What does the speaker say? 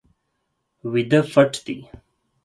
ویده پټ دی